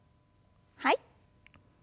はい。